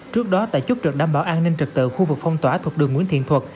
trước đó tại chốt trực đảm bảo an ninh trật tự khu vực phong tỏa thuộc đường nguyễn thiện thuật